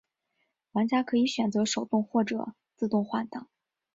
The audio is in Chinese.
玩家可以选择手动或者自动换挡。